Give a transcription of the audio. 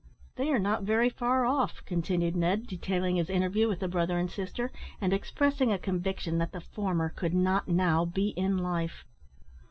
"They are not very far off," continued Ned, detailing his interview with the brother and sister, and expressing a conviction that the former could not now be in life.